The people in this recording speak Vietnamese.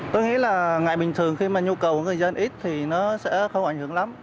tôi nghĩ là ngày bình thường khi mà nhu cầu của người dân ít thì nó sẽ không ảnh hưởng lắm